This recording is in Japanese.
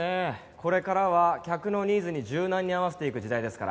これからは客のニーズに柔軟に合わせていく時代ですから。